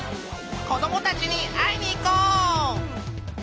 こどもたちにあいにいこう！